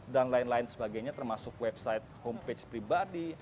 dan lain lain sebagainya termasuk website homepage pribadi